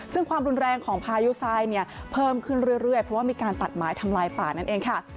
ซึ่งความรุนแรงของพายุทรายเนี่ยเพิ่มขึ้นเรื่อยเพราะว่ามีการตัดไม้ทำลายป่านั่นเองค่ะ